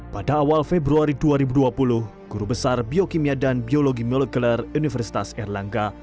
pada awal februari dua ribu dua puluh guru besar biokimia dan biologi molekuler universitas erlangga